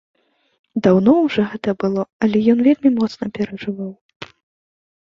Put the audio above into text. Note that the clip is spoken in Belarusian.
Даўно ўжо гэта было, але ён вельмі моцна перажываў.